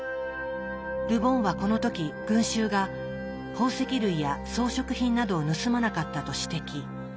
ル・ボンはこの時群衆が宝石類や装飾品などを盗まなかったと指摘。